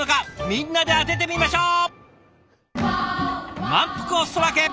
みんなで当ててみましょう！